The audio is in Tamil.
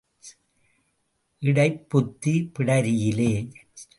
இடைப் புத்தி பிடரியிலே.